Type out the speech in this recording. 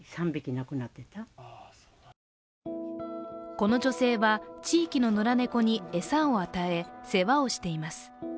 この女性は、地域の野良猫に餌を与え、世話をしています。